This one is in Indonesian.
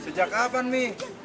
mi sejak kapan mi